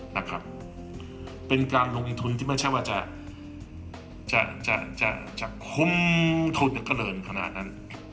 นะครับเป็นการลงทุนที่ไม่ใช่ว่าจะจะจะคุ้มทุนเจริญขนาดนั้น